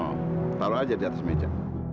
oh taro aja di atas meja